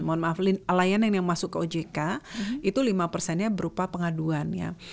mohon maaf layanan yang masuk ke ojk itu lima persennya berupa pengaduan ya